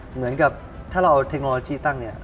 เหมือนกับถ้าเราเอาเทคโนโลยีตั้งเนี่ย